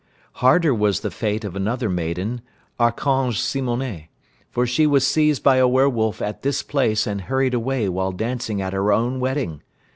Harder was the fate of another maiden, Archange Simonet, for she was seized by a were wolf at this place and hurried away while dancing at her own wedding.